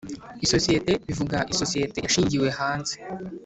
Isosiyete bivuga isosiyete yashingiwe hanze